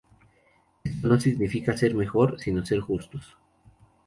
Esto no significa ser mejor, sino ser justos.